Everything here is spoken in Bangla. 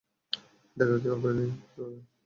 দেখা করবে কীভাবে?